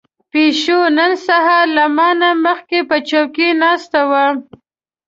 پيشو نن سهار له ما نه مخکې په چوکۍ ناسته وه.